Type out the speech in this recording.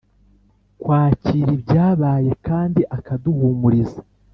kwakira ibyabaye kandi akaduhumuriza